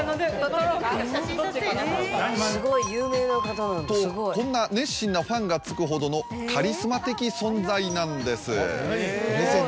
どっちから？とこんな熱心なファンがつくほどのカリスマ的存在なんです。